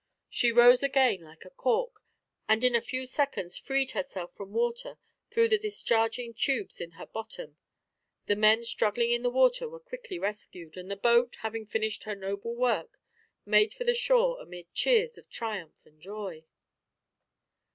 She rose again like a cork, and in a few seconds freed herself from water through the discharging tubes in her bottom. The men struggling in the water were quickly rescued, and the boat, having finished her noble work, made for the shore amid cheers of triumph and joy.